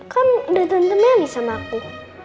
kan udah tante meli sama aku